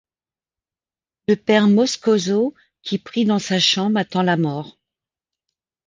Le Père Moscoso, qui prie dans sa chambre, attend la mort.